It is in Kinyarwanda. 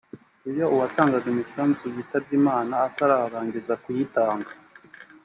Iyo uwatangaga imisanzu yitabye Imana atararangiza kuyitanga